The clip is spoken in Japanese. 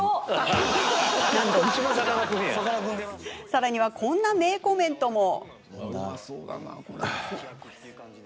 さらには、こんな名コメントも。